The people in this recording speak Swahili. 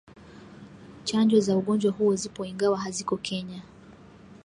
Chanjo za ugonjwa huo zipo ingawa haziko Kenya